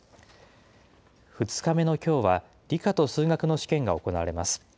２日目のきょうは、理科と数学の試験が行われます。